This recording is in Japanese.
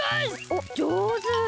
おじょうず！